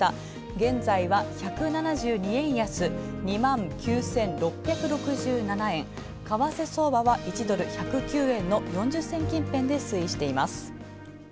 現在は１７２円安い２万９６６７円、為替相場は１ドル、１０９円の４０銭近辺で推移しています。